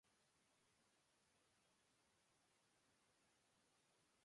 Seperti ikan dalam air